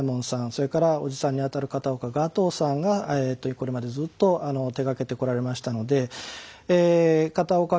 それから伯父さんにあたる片岡我當さんがこれまでずっと手がけてこられましたので片岡